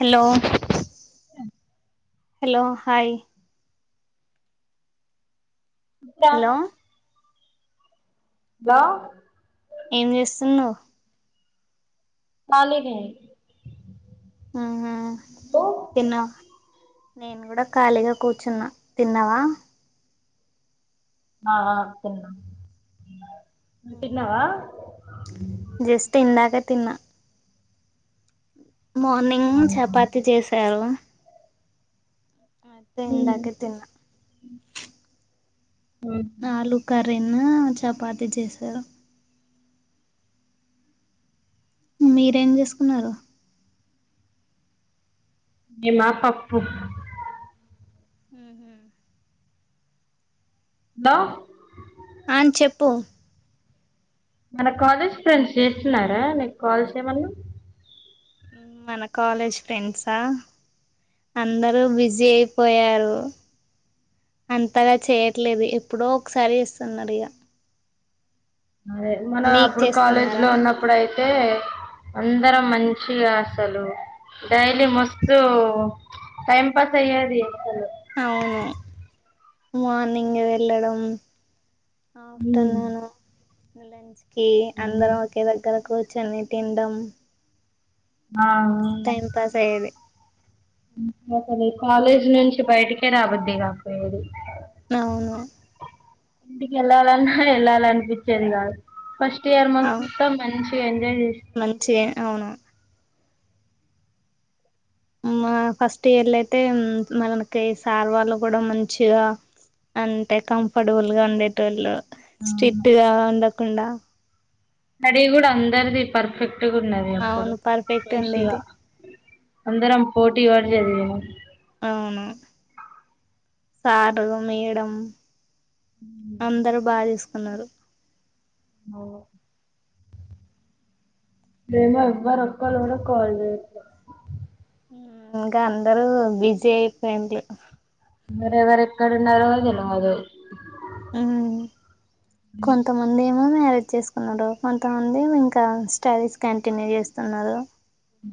hello hello hi ఇా hello hello ఏం చేస్తున్నావ్ కాళీనే అహ తిన్న నేను కూడా ఖాళీగా కూర్చున్న తిన్నావా అ అ తిన్న మ్ హు జస్ట్ ఇందాకే తిన్నా మార్నింగ్ అవునా చపాతి చేసావ అదే ఉమ్ ఇందాకే తిన్నా నాలుగు కర్రీను చపాతి చేసా మీరేం చేసుకున్నారు మిమ పప్పు మ్ హు లో అన్ చెప్పు మన కాలేజ్ ఫ్రెండ్స్ చేస్తున్నారా నీకు కాల్స్యమన్నా మన కాలేజ్ ఫ్రెండ్సా అందరూ బిజీ అయిపోయారు అంతగా చేయట్లేదు ఎప్పుడో ఒకసారి ఇస్తున్నారు ఇక అదే మన అప్పుడు కాలేజ్ చేస్తున్నారా లో ఉన్నప్పుడు అయితే అందరం మంచిగా లు డైలీ మస్తు టైమ్ పాస్ అయ్యేది అవును మార్నింగ్ వెళ్ళడం ఉమ్ ఆఫ్టర్నూన్ లంచ్ కి అందరం ఒకే దగ్గరకు కు ర్చొని తినడం అవును ఆ మస్తు టైం పాస్ అయ్యేది ఇంకా అదీ కాలేజీ నుంచి బయటికే రావద్ద్దది కాకపోయేది అవును ఇంటికి వెళ్ళాలన్నా వెళ్ళాలనిపించింది కాదు ఫస్ట్ ఇయర్ అవు మొత్తం మంచిగా ఎంజాయ్ చేసి మంచిగా అవును మా ఫస్ట్ ఇయర్లు అయితే మనకి సార్ వాళ్ళు కూడా మంచిగా అంటే కంఫర్టబుల్ గా ఉండేటోళ్ళు స్ట్రిట్ గా ఉండకుండా స్టడీ కూడా అందరిది పర్ఫెక్ట్గా ఉన్నది అప్పుడు అవును పర్ఫెక్ట్ మంచిగా ఉండేది అందరం పోటీ వాడి చదివేవారు అవును సారు మేడం అందరు బా చూసుకున్నారు అవును తేజ్ వాళ్ళ ఎవ్వరు ఒక్కసారి కూడా కాల్ చేయట్ల ఇంకా అందరూ బిజీ అయిపోయింది ఎవరెవరు ఎక్కడున్నారో తెలవదు ఆ కొంతమంది మ్యారేజ్ చేసుకున్నాడు కొంతమంది ఇంకా స్టడీస్ కంటిన్యూ చేస్తున్నారు ఆ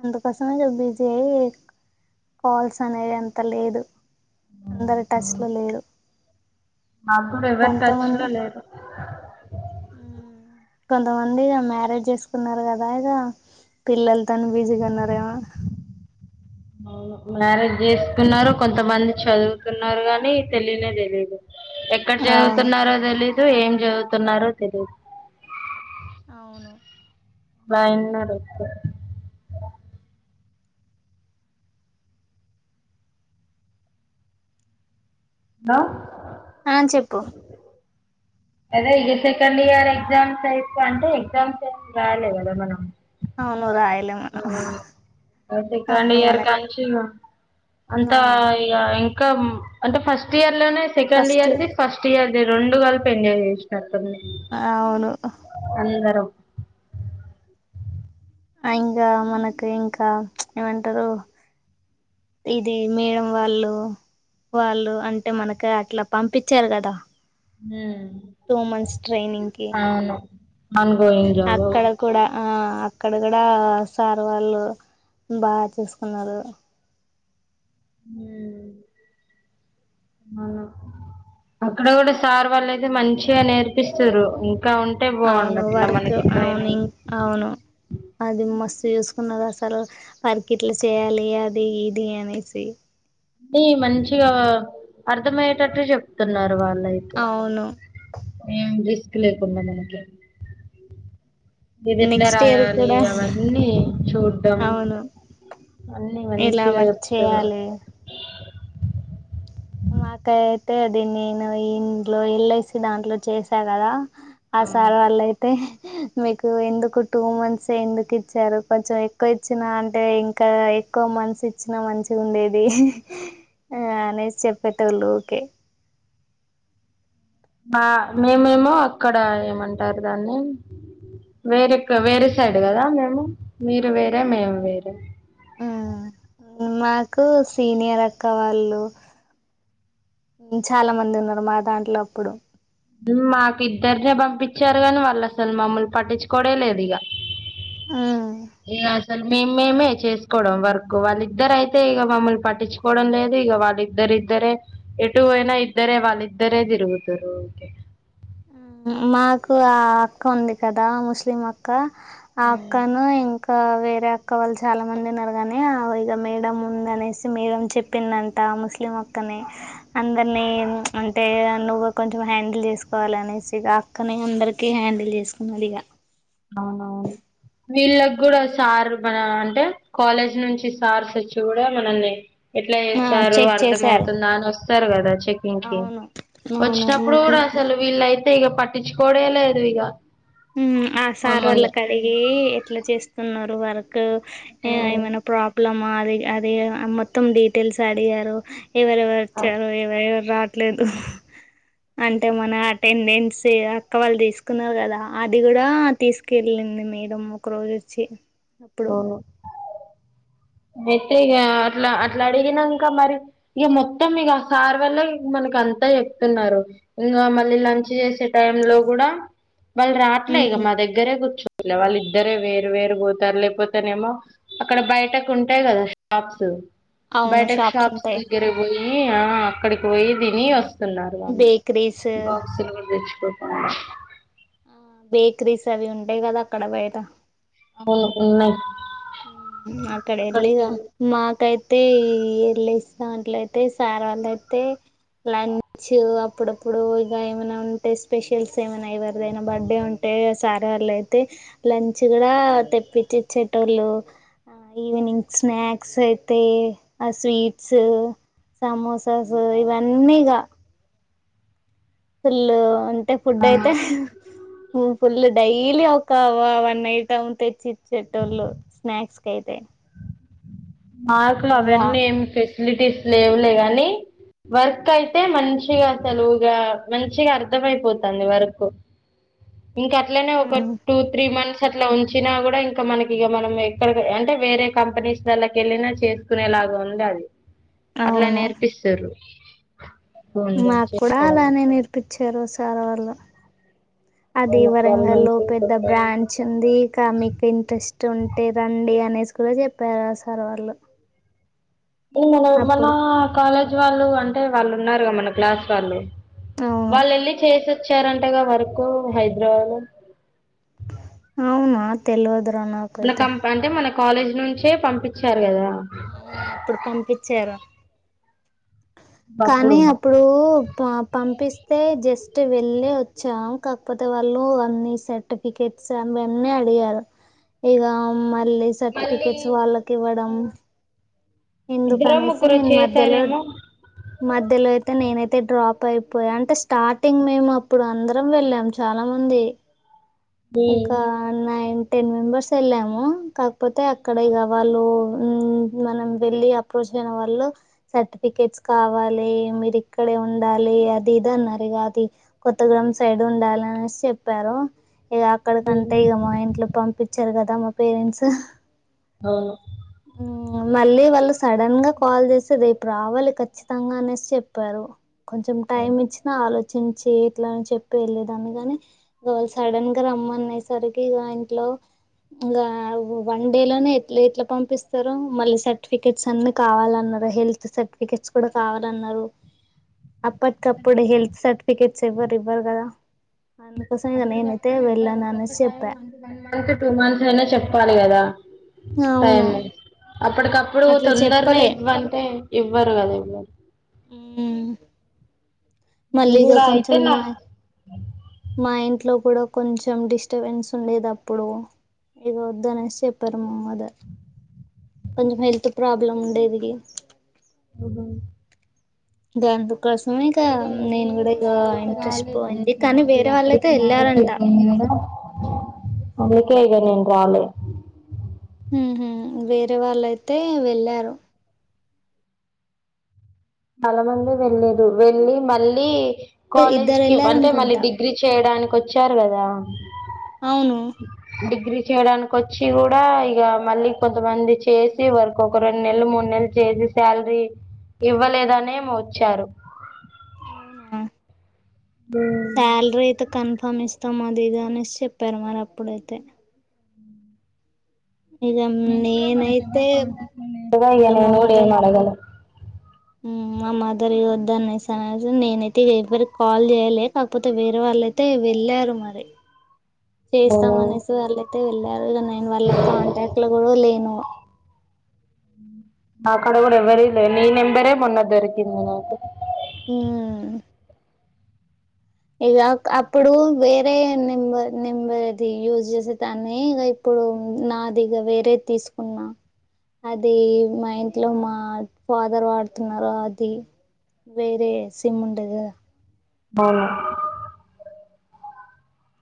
అందుకోసమే బీజ్జి అయి కాల్స్ అనేవి అంత లేదు అందరు టచ్ లో లేదు నాక్కూడా ఎవరో టచ్ లో లేరు కొంతమంది మ్యారేజ్ చేసుకున్నారు కదా ఇక పిల్లలు తాను బిజీగా ఉన్నారేమో మ్యారేజ్ చేసుకున్నారు కొంతమంది చదువుతున్నారు గాని తెలియనే తెలియదు ఎక్కడ అవును చదువుతున్నారో తెలీదు ఏం చదువుతున్నారో తెలీదు అవును వయన్నూరు హలో ఆ చెప్పు అదే ఇక సెకండ్ ఇయర్ ఎగ్జామ్స్ అయితే అంటే ఎగ్జామ్స్ ఏ రాలే కదా మనం అవును రాయలే మనం ఆ సెకండ్ అప్పుడు ఇయర్ మన కానించి ఇక అంతా ఆ ఇక ఇ అంటే ఫస్ట్ ఇయర్ లోనే సెకండ్ ఫస్ట్ ఇయర్ది ఫస్ట్ ఇయర్ ది రెండు కల్పి పి ఎంజాయ్ చేసినట్టు ఉంది అవును అందరం అండ్ మనకి ఇంకా ఏమంటారు ఇది మేడం వాళ్ళు వాళ్ళు అంటే మనకి అట్లా పంపించారు కదా హ్మ్ టూ మంత్స్ ట్రైనింగ్ కి ఆన్ గోయింగ్ జాబ్ అక్కడ కూడా ఆ అక్కడ కూడా సార్ వాళ్ళు బా చూసుకున్నారు హ్మ్ అక్కడ కూడా సార్ వాళ్ళుయితే మంచిగా నేర్పిస్తారు ఇం అవును వర్క్ అవునుంగ్ అవును అది మస్తు చూసుకున్నారు అసలు వర్కి ఇట్లా చేయాలి అది ఇది అనేసి అది మంచిగా అర్థమయ్యేటట్టు చెప్తున్నారు వాళ్ళు అవును ఎం రిస్క్ లేకుండ మనకి గిది ఎట్లా నెక్స్ట్ ఇయర్ రాయాలి కూడా అవన్నీ చూడ్డం అవును అన్నీ ఇలా మంచిగా వర్క్ చెప్తారు చేయాలి నాకైతే అది నేను ఇంట్లో ఎల్ ఐ సి దాంట్లో చేసా కదా ఆ అవును సార్ వాళ్ళైతే మీకు ఎందుకు టూ మంత్స్ ఎందుకు ఇచ్చారు కొంచెం ఎక్కువ ఇచ్చినా అంటే ఇంకా ఎక్కువ మంత్స్ ఇచ్చిన మంచిగ ఉండేది ఆ అనే చెప్ పెట్టలు ఓకే బా మేమేమో అక్కడ ఏమంటారు దాన్ని వేరే వేరే సైడ్ కదా మేము మీరు వేరే మేము వేరే మాకు సీనియర్ అక్క వాళ్ళు చాలా మంది ఉన్నారు మా దాంట్లో అప్పుడు మాకు ఇద్దరినే పంపించారు కానీ వాళ్ళు అసలు మమ్మల్ని పట్టించుకోవుడే లేదు ఇక ఇయ అసలు మేము మేమే చేసుకోవడం వర్క్ వాళ్ళిద్దర అయితే ఇక మమ్మల్ని పట్టించుకోవడం లేదు ఇక వాళ్ళిద్దరు ఇద్దరే ఎటు పోయిన ఇద్దరే వాళ్ళద్దరే తిరుగుతారు ఊర్కే ఆ మాకు ఆ అక్క ఉంది కదా ముస్లిం అక్క ఆ అక్కను ఇంకా ఇ వేరే అక్క వాళ్ళు చాలా మంది ఉన్నారు కాని ఆ ఇగ మేడం ఉంద అనేసి మేడం చెప్పిందంట ముస్లిం అక్కని అందరినీ అంటే నువ్వు కొంచెం హ్యాండిల్ చేసుకోవాలినేసి ఇక అక్కనే అందరికీ హ్యాండిల్ చేసుకున్నాది ఇక అవునవును వీళ్ళకి కూడా సార్ మన అంటే కాలేజ్ నుంచి సార్స్ వచ్చి కూడా మనల్ని ఎట్లా చేస్తారు చెక్ అర్థం చేశారు అవుతుందా అని వస్తారు కదా చెకింగ్ కీ అవును వచ్చినప్పుడు కూడా అవును అసలు వీళ్ళయితే ఇక పట్టించుకోడే లేదు ఇక ఆ సార్ వాళ్ళ కడిగి ఎట్లా చేస్తున్నారు వార్ క్ ఏమైనా ప్రాబ్లమ్ అది అది మొత్తం డీటెయిల్స్ అడిగారు ఎవరెవరు వచ్చారు ఎవ రావట్లేదు అంటే మన అటెండెన్స్ అక్క వాళ్ళు తీసుకున్నారు కదా అది కూడా తీసుకెళ్ళింది మేడం ఒక రోజు వచ్చి అప్పుడు అవును అయితే ఇక అట్లా అట్లా అడిగినంక మరి ఇక మొత్తం ఇక సార్ వల్లె మూల అంతే చెప్తున్నారు ఇంకా మళ్ళీ ఉమ్ లంచ్ చేసే టైంలో కూడా మళ్ళీ రావట్లేదు ఉమ్, మా దగ్గరే కూర్చ వాళ్ళ ఇద్దరే వేరు వేరు పోతారు లేకపోతేనేమో అక్కడ బయట కొంటావ్ స్నాక్సు అవును బయట షాప్స్ ఉంటాయి దగ్గరకి పోయి ఆ అక్కడికి పోయి తిని వస్తున్నారు వాళ్ళు బేకరీస్ బాక్సులు కూడా తెచ్ కోకుండా ఆ బేకరీస్ అవి ఉంటాయి కదా అక్కడ బయట అవును ఉన్నాయి ఉమ్ అక్కడ వెళ్ళి మేకప్ [unintelligible] ఇంతలోపు సార్ వాళ్ళు వతే లంచ్ అప్పుడప్పుడు ఇక ఏమైనా ఉంటే స్పెషల్స్ ఏమైనా ఎవరిదైనా బర్డే ఉంటే వేరే సార్ వాళ్ళు అయితే లంచ కూడా తెప్పిచ్చి ఇచెట్టోలు ఈవెనింగ్ స్నాక్స్ అయితే ఆ స్వీట్స్ సమోసాస్ ఇవన్నీగా ఫుల్లు అంటే ఫుడ్ అయితే ఫుల్లు డైట్ వీల్లే ఒక వన్ ఐటమ్ తెచ్చి ఇచ్చేటోళ్ళు స్నాక్స్ అయితే మార్కులు ఇక అవన్నీ ఏమి ఫెసిలిటీస్ లేవులే గాని వర్క్ అయితే మం మంచిగా అసలు ఇగ మంచిగా అర్థమయిపోతుంది వర్కు ఇంకా అట్లనే ఒక టూ త్రీ మంత్స్ అట్లా ఉంచినా కూడా ఇంకా మనకి ఇక మనం ఎక్కడ అంటే వేరే కంపెనీస్ లైక్ ఏదైనా చేసుకునేలాగా ఉండాలి అట్లా అవును నేర్పిస్తారు మాకూడా అలానే నేర్పించారు సార్ వాళ్ళు అది అవును వాళ్ళు వరంగల్లో మంచిగా పెద్ద చెప్పారు బ్రాంచ్ ఉంది ఇక మీకు ఇంట్రెస్ట్ ఉంటే రండి అనేసి ఎవరు చేపర సార్ వాళ్ళు మన మన అప్పుడు కాలేజ్ వాళ్ళు అంటే వాళ్ళు ఉన్నారు కద మన క్లాస్ వాళ్ళు అవును వాళ్ళు వెళ్ళి చేసోచ్చారంటగా వర్కు హైదరాబాద్లో అవునా తెలవదురా నాకైతే కాలేజి నుంచే పంపించారు కదా అవును అప్పుడు పంపిచేర కానీ అప్పుడు పా పంపిస్తే జస్ వెళ్ళి వచ్చాం కాకపోతే వాళ్ళు అన్ని సర్టిఫికెట్స్ అవన్నీ అడిగారు ఇగ మళ్ళీ మరి సర్టిఫికెట్స్ వాళ్ళకి ఇవ్వడం ఎందుకు ఇద్దరో అనేసి ముగ్గురు నేను మధ్యలో చేసారేమో మధ్యలో అయితే నేనైతే డ్రాప్ అయి పోయి అంటే స్టార్టింగ్ మేము అప్పుడు అందరం వెళ్ళాము చాలా మంది ఉమ్, ఒకా నైన్ టెన్ మెంబర్స్ వెళ్ళాము కాకపోతే అక్కడ ఇగ వాళ్ళు ఉంహా వెళ్ళి అప్రోచ్ అయిన వాళ్ళ సర్ఫికెట్స్ కావాలి మీరిక్కడే ఉండాలి అది ఇది అన్నారుగా అది కొత్తగూడెం సైడ్ ఉండాల అనేసి చెప్పారు ఇక అక్కడ కంటే ఉమ్, ఇక మా ఇంట్లో పంపించరు కదా మా పేరెంట్స్ అవును మళ్ళీ వాళ్ళు సడన్ గా కాల్ చేసి రేపు రావాలి ఖచ్చితంగా అనేసి చెప్పారు కొంచెం టైం ఇచ్చినా ఆలోచించి ఇట్లా అని చెప్పి వెళ్ళేదాన్ని గాని వాళ్ళు సడన్ రమణేసరికే మా ఇంట్లో ఇంకా వన్ డే లోనే ఎ ఎట్లా పంపిస్తారో మళ్ళీ సర్టిఫికెట్స్ అన్ని కావాలన్న న హెల్త్ సర్టిఫికెట్స్ కూడా కావాలన్నారు అప్పటికప్పుడు హెల్త్ సర్టిఫికేట్స్ ఎవ్వరు ఇవ్వరు కదా అందుకోసం ఇగ నిను ప్పుడే ఇవ్వరు వన్ టైంత మంత్ టూ మంత్స్ అయినా చెప్పాలి కదా అవును అదే అప్పటికప్పుడు అట్లా తొందర్నే చెప్పలే ఇవ్వంటే ఇవ్వరు కదా ఎవ్వరు మ్ నేను మళ్ళీ గ కూడా అయితే కొంచెం నా మా మా ఇంట్లో కూడా కొంచెం డిస్టబెన్స్ ఉండేదప్పుడు ఇగ వద్దానేసి చెప్పారు మా మాథర్ కొంచెం హెల్త్ ప్రాబ్లం ఉండేది అహా ద్యాందు కోసమే ఇగ నేను కూడా ఇగ ఇంట్రెస్ట్ పోయింది కానీ వేరే వాళ్ళైతే వెళ్ళారంట అ అందుకే ఇగ నేను రాలే మ్ హు వేరే వాళ్ళయితే వెళ్ళారు చాలా మందే వెళ్లేదు వెళ్ళలి మళ్ళీ కాలేజ్ ఇద్దరు కి అంటే మళ్ళీ వెళ్ళారనుకుంటా డిగ్రీ చేయడానికి వచ్చారు కదా అవును డిగ్రీ చేయడానికి వచ్చి కూడా ఇక మళ్ళీ కొంతమంది చేసి వరకు ఒక రెండు నెళ్ళు మూడు నెళ్ళు చే సి శాలరీ ఇవ్వలేదనే ఏమో వచ్చారు అవునా సాలరీ అయితే కన్ఫర్మ్ ఇస్ స్తాం అది ఇదనేసి చెప్పారు మరి అప్పుడైతే ఇక నిను కుడా మనకు ఎవరు నేనైతే కాంటాక్ట్ ల లేరుగ ఇగ నేను కూడా ఏం అడగలే మ్ మా మదర్ వద్దనేసి నేనైతే ఎవరికి కాల్ చేయ్యాలే కాకపోతే వేరే వాళ్ళయితే వె ళ్ళరు మరి చేస్తాం అవును అనేసి వాళ్ళైతే వెళ్ళారు ఇగ నేను వాళ్ళ కాంటాక్ట్లు కూడా లేను నాకడ కూడా ఎవరియి లేవ్ నీ నెంబరే మొన్న దొరికింది నాకు మ్ ఇగ అప్ అప్పుడు వేరే నింబ నింబర్ది యూజ్ చేసే దాన్ని ఇగ ఇప్పుడు ఇప్పుడు నాదిగ వేరేది తీసుకున్నా అది మా ఇంట్లో మా ఫాదర్ వాడుతున్నారు అది వేరే సిమ్ ఉంటది కదా అవునా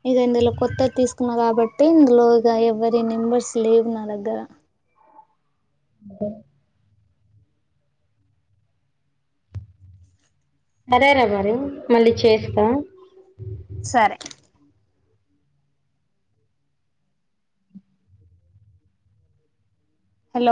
ఇగ ఇందులో కొత్తది తీసుకున్నా కాబట్టి ఇందులో ఇగ ఎవ్వరి నెంబర్స్ లేవు నా దగ్గర అదే సరేరా మరి మళ్ళీ చేస్తా సరే హలో